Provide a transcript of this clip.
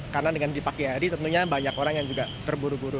karena dengan dipakai adi tentunya banyak orang yang juga terburu buru